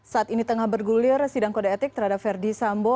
saat ini tengah bergulir sidang kode etik terhadap verdi sambo